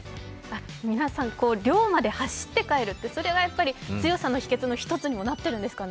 皆さん、寮まで走って帰るって強さの秘けつの一つにもなってるんですかね？